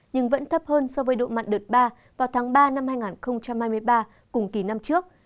nhưng vẫn thấp hơn so với độ mặn đợt ba vào tháng ba năm hai nghìn hai mươi ba cùng kỳ năm trước